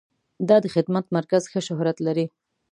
دا د خدمت مرکز ښه شهرت لري.